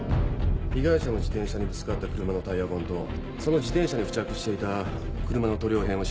被害者の自転車にぶつかった車のタイヤ痕とその自転車に付着していた車の塗料片を調べさせています。